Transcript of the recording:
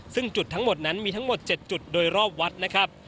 ซึ่งจุดทั้งหมดนั้นมีทั้งหมด๗จุดโดยรอบวัดนะครับ